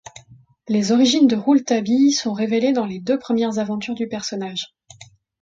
Les origines de Rouletabille sont révélées dans les deux premières aventures du personnage.